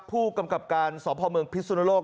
ผู้กำกับการสพพิศุนโลก